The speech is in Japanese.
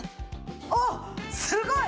おっすごい！